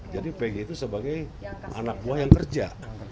jadi peggy itu sebagai anak buah yang kerja